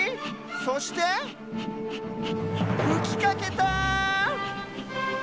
そしてふきかけた！